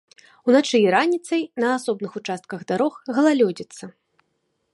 Уначы і раніцай на асобных участках дарог галалёдзіца.